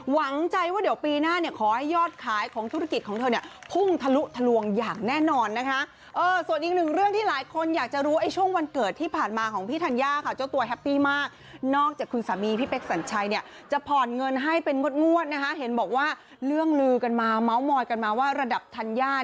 หวังใจว่าเดี๋ยวปีหน้าขอให้ยอดขายของธุรกิจของเธอเนี่ยเพิ่งทะลุทะลวงอย่างแน่นอนนะคะ